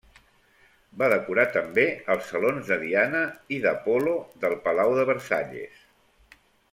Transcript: Va decorar també els Salons de Diana i d'Apol·lo del Palau de Versalles.